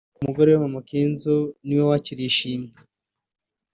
umugore we Mama Kenzo ni we wakiriye ishimwe